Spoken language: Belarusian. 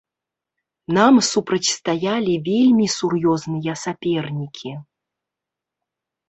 Нам супрацьстаялі вельмі сур'ёзныя сапернікі.